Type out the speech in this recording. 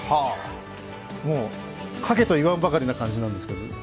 もう書けと言わんばかりの感じなんですが。